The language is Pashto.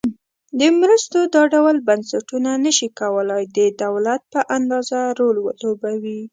د مرستو دا ډول بنسټونه نشي کولای د دولت په اندازه رول ولوبوي.